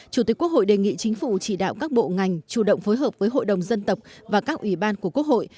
chủ tịch quốc hội đề nghị chính phủ chỉ đạo các bộ ngành chủ động phối hợp với hội đồng dân tộc và các ủy ban của quốc hội